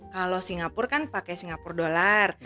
kalau singapura kan pakai singapura dollar